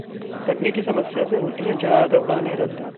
तकनीकी समस्या से होती हैं ज्यादातर उड़ानें रद्द